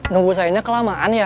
nunggu saya ini kelamaan ya